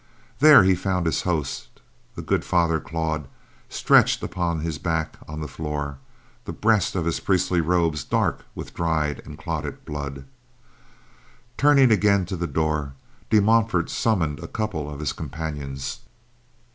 There he found his host, the good father Claude, stretched upon his back on the floor, the breast of his priestly robes dark with dried and clotted blood. Turning again to the door, De Montfort summoned a couple of his companions.